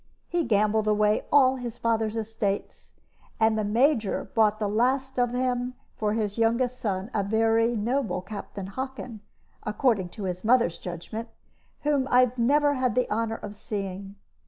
He gambled away all his father's estates, and the Major bought the last of them for his youngest son, a very noble Captain Hockin (according to his mother's judgment), whom I never had the honor of seeing.